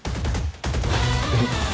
えっ